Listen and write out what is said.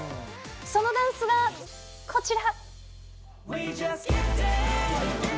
そのダンスがこちら。